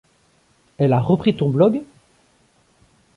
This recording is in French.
Elle a repris ton blog ?